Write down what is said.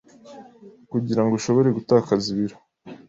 kugira ngo ushobore gutakaza ibiro